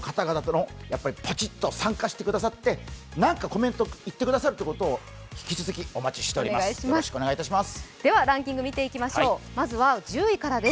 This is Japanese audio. その方々がポチっと参加してくださって、何かコメント言ってくださるということを引き続きお待ちしています、よろしくお願いいたします。